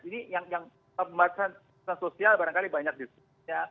ini yang pembatasan sosial barangkali banyak di sekitarnya